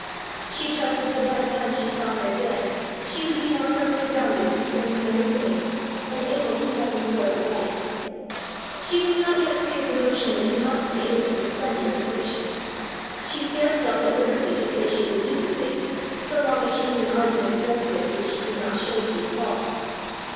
She trusted that by the time she saw her again she would be more firmly grounded concerning many things, and able to set them forth aright. She was not yet free of the notion that you must be able to defend your convictions; she scarce felt at liberty to say she believed a thing, so long as she knew an argument against it which she could not show to be false.